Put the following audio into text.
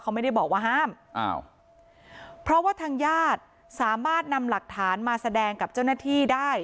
เขาไม่ได้บอกว่าห้ามอ้าวเพราะว่าทางญาติสามารถนำหลักฐานมาแสดงกับเจ้าหน้าที่ได้